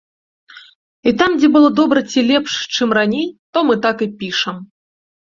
І там, дзе было добра ці лепш, чым раней, то мы так і пішам.